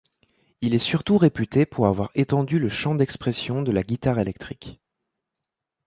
Il est surtout réputé pour avoir étendu le champ d'expression de la guitare électrique.